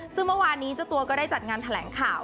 ซึ่งเมื่อวานนี้เจ้าตัวก็ได้จัดงานแถลงข่าว